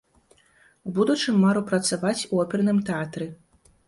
У будучым мару працаваць у оперным тэатры.